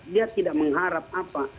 dia tidak mengharap apa